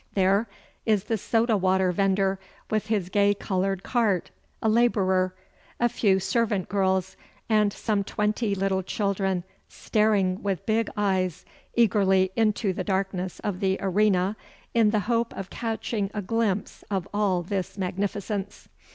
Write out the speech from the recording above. There is the soda water vendor with his gay coloured cart, a labourer, a few servant girls, and some twenty little children staring with big eyes eagerly into the darkness of the arena in the hope of catching a glimpse of all this magnificence.